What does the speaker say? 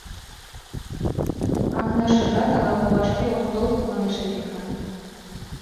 — Акнашыжат ала-мо вашке ок тол, — манеш Эвика.